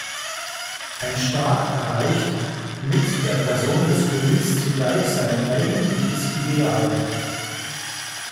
Ein Staat erreicht mit der Person des Königs zugleich sein eigentliches Ideal.